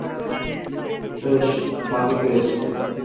বেশ, বাগে পেয়েছো।